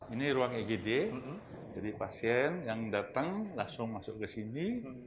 ini ruang igd jadi pasien yang datang langsung masuk ke sini